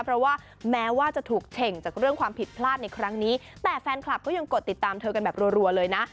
เพราะว่าแม้ว่าจะถูกเฉ่งจากเรื่องความผิดพลาดในครั้งนี้แต่แฟนคลับก็ยังกดติดตามเธอกันแบบรัวเลยนะ